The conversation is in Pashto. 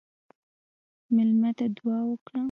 مېلمه ته دعا وکړه.